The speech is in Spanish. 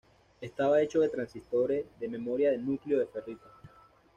Estaba hecho de transistores de memoria de núcleo de ferrita.